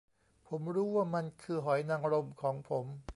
ผมรู้ว่ามันคือหอยนางรมของผม